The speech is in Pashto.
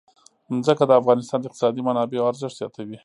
ځمکه د افغانستان د اقتصادي منابعو ارزښت زیاتوي.